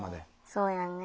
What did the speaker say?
そうやね